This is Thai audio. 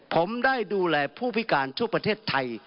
ผมได้ดูแลผู้พิการทั่วประเทศไทย